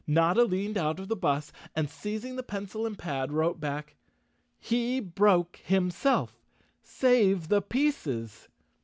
Notta leaned out of the bus and, seizing the pencil and pad, wrote back, "He broke himself, save the pieces."